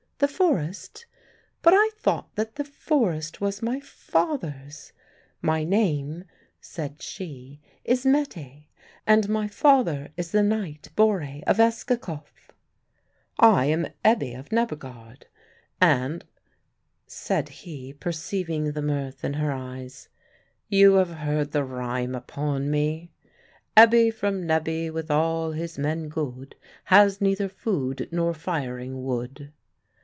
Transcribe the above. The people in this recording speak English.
"The forest? But I thought that the forest was my father's? My name," said she, "is Mette, and my father is the Knight Borre, of Egeskov." "I am Ebbe of Nebbegaard, and," said he, perceiving the mirth in her eyes, "you have heard the rhyme upon me "'Ebbe from Nebbe, with all his men good, Has neither food nor firing wood.'"